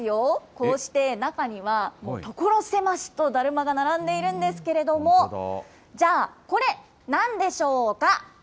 こうして中には、所狭しとだるまが並んでいるんですけれども、じゃあ、これ、なんでしょうか？